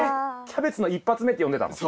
キャベツの一発目って呼んでたの？